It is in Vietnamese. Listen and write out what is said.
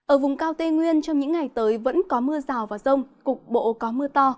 ở vùng cao tây nguyên trong những ngày tới vẫn có mưa rào và rông cục bộ có mưa to